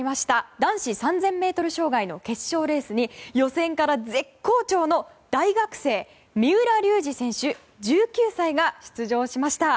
男子３０００ｍ障害の決勝レースに予選から絶好調の大学生、三浦龍司選手、１９歳が出場しました。